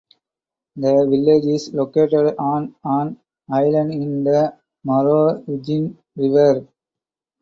The village is located on an island in the Marowijne River.